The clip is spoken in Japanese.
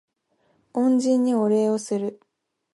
恩人にお礼をする